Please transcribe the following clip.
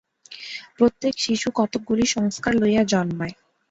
প্রত্যেক শিশু কতকগুলি সংস্কার লইয়া জন্মায়।